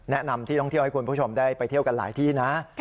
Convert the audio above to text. แนะนำที่ท่องเที่ยวให้คุณผู้ชมได้ไปเที่ยวกันหลายที่นะ